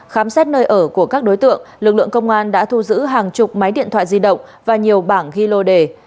khám xét nơi ở của các đối tượng lực lượng công an đã thu giữ hàng chục máy điện thoại di động và nhiều bảng ghi lô đề